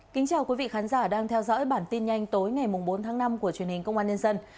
kính chào quý vị khán giả đang theo dõi bản tin nhanh tối ngày bốn tháng năm của truyền hình công an nhân dân